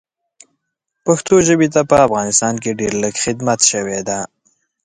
پښتو ژبې ته په افغانستان کې ډېر لږ خدمت شوی ده